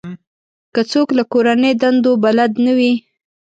که څوک له کورنۍ دندو بلد نه وي.